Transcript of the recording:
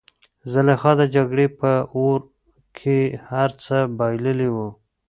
زلیخا د جګړې په اور کې هر څه بایللي وو.